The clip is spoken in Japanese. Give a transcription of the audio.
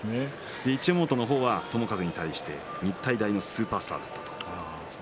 一山本の方は友風を日体大のスーパースターだったと。